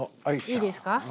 いいですか？